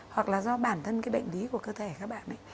hoặc là do bản thân cái bệnh lý của cơ thể các bạn đấy